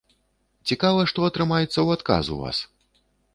Цікава, што атрымаецца ў адказ у вас?